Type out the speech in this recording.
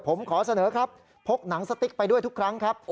ผมขอเสนอครับพกหนังสติ๊กไปด้วยทุกครั้งครับ